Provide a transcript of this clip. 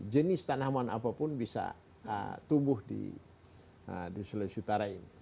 jenis tanaman apapun bisa tumbuh di sulawesi utara ini